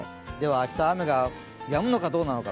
明日雨がやむのかどうなのか